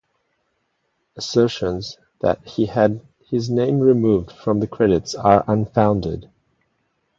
Assertions that he had his name removed from the credits are unfounded.